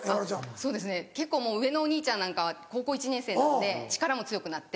そうですね結構もう上のお兄ちゃんなんかは高校１年生なんで力も強くなって。